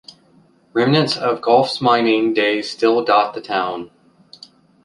Remnants of Goffs's mining days still dot the town.